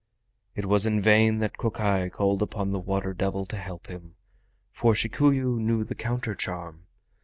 It was in vain that Kokai called upon the Water Devil to help him, for Shikuyu knew the counter charm.